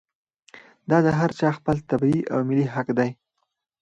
دا د هر چا خپل طبعي او ملي حق دی.